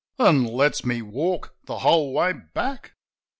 An' lets me walk the whole way back.